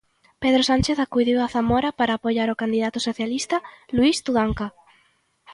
Pedro Sánchez acudiu a Zamora para apoiar o candidato socialista, Luís Tudanca.